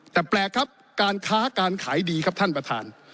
แต่แปลกครับการค้าการขายดีครับท่านประธาน